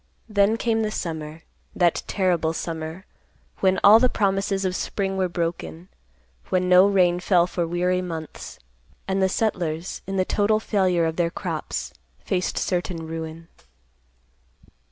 Then came the summer; that terrible summer, when all the promises of spring were broken; when no rain fell for weary months, and the settlers, in the total failure of their crops, faced certain ruin.